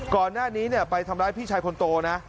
ก่อนหน้านี้ไปทำร้ายพี่ชายคนโตนะ